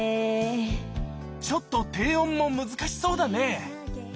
ちょっと低音も難しそうだね。